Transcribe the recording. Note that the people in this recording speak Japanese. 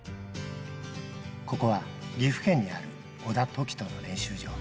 ここは岐阜県にある小田凱人の練習場。